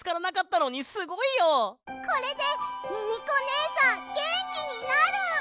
これでミミコねえさんげんきになる！